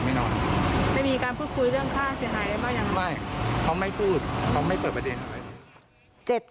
ไม่เขาไม่พูดเขาไม่เปิดประเด็นอะไร